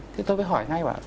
thì tôi mới hỏi ngay bác